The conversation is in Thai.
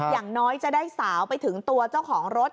อย่างน้อยจะได้สาวไปถึงตัวเจ้าของรถ